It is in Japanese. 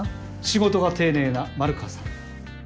仕事が丁寧な丸川さん。